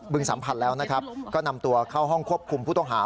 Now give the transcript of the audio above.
สัมผัสแล้วนะครับก็นำตัวเข้าห้องควบคุมผู้ต้องหา